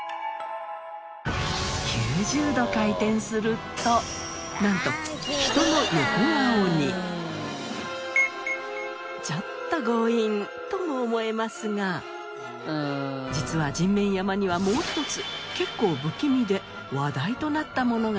９０度回転するとなんとちょっと強引とも思えますが実は人面山にはもう一つ結構不気味で話題となったものがあったんです。